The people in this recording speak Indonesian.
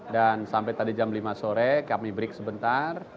dan sampai tadi jam lima sore kami break sebentar